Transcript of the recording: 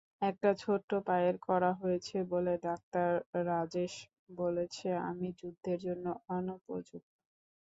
একটা ছোট্ট পায়ের কড়া হয়েছে বলে ডাক্তার রাজেশ বলছে আমি যুদ্ধের জন্য অনুপযুক্ত।